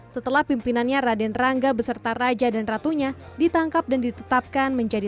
setelah pimpinannya raden rangga beserta raja dan ratunya ditangkap dan ditetapkan menjadi